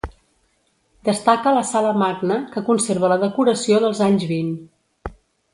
Destaca la Sala Magna, que conserva la decoració dels anys vint.